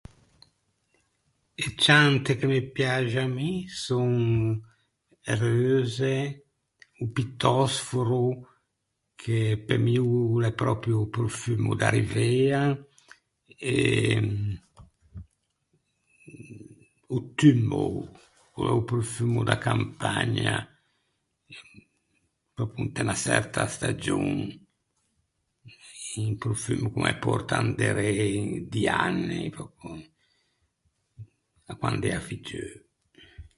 E ciante che me piaxe à mi son e reuse, o pittòsforo che pe mi o l’é pròpio o profummo da Rivea e o tumao, ch’o l’é o profummo da campagna pròpio inte unna çerta stagion, un profummo ch’o me pòrta inderê inti anni pròpio, à quand’ea figgeu.